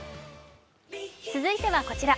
続いてはこちら。